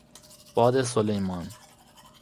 باد سلیمان